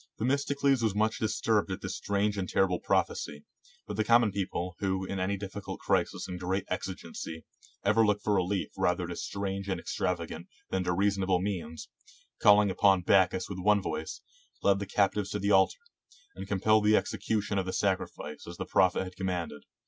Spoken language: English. Themistocles was much dis turbed at this strange and terrible prophecy, but the common people, who, in any difificult crisis and great exigency, ever look for relief rather to strange and ex travagant than to reasonable means, calling upon Bac chus with one voice, led the captives to the altar, and compelled the execution of the sacrifice as the prophet had commanded.